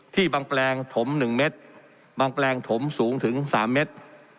ที่บางแปลงถมหนึ่งเมตรบางแปลงถมสูงถึงสามเมตร